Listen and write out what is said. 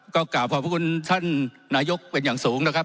ก็กล่าวขอบพระคุณท่านนายกเป็นอย่างสูงนะครับ